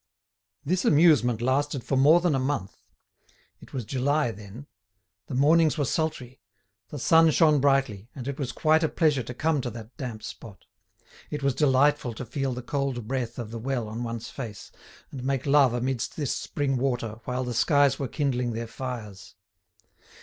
This amusement lasted for more than a month. It was July then; the mornings were sultry; the sun shone brightly, and it was quite a pleasure to come to that damp spot. It was delightful to feel the cold breath of the well on one's face, and make love amidst this spring water while the skies were kindling their fires.